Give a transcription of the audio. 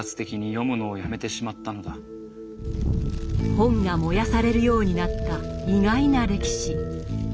本が燃やされるようになった意外な歴史。